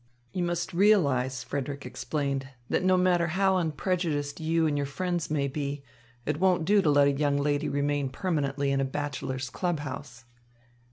"You must realise," Frederick explained, "that no matter how unprejudiced you and your friends may be, it won't do to let a young lady remain permanently in a bachelors' club house."